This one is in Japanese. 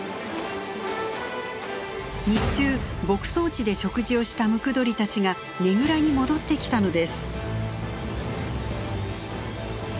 日中牧草地で食事をしたムクドリたちがねぐらに戻ってきたのです。